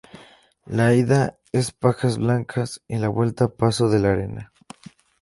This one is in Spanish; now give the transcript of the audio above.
La ida es Pajas Blancas y la vuelta Paso de la Arena.